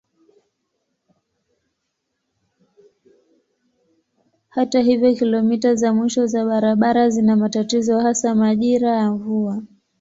Hata hivyo kilomita za mwisho za barabara zina matatizo hasa majira ya mvua.